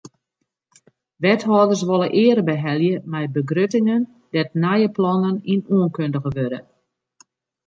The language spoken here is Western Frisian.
Wethâlders wolle eare behelje mei begruttingen dêr't nije plannen yn oankundige wurde.